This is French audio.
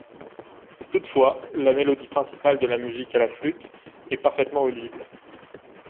Toutefois, la mélodie principale de la musique, à la flûte, est parfaitement audible.